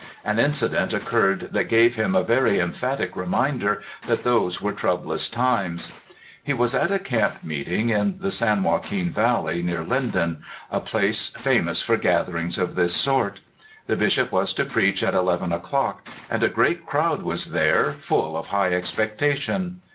An incident oc curred that gave him a very emphatic reminder that those were troublous times. He was at a camp m.eeting in the San Joaquin Valley, near Linden — a place famous for gather ings of this sort. The Bishop was to preach at eleven o'clock, and a great crowd was there, full of high expectation.